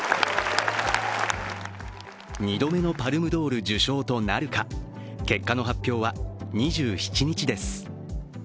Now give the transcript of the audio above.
２度目のパルムドール受賞となるか、結果の発表は２７日です。